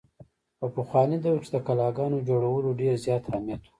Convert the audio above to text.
په پخواني دور کښې د قلاګانو جوړولو ډېر زيات اهميت وو۔